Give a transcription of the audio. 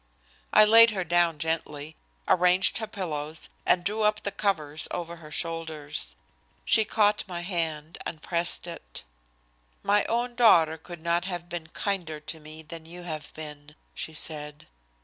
I laid her down gently, arranged her pillows, and drew up the covers over her shoulders. She caught my hand and pressed it. "My own daughter could not have been kinder to me than you have been," she said.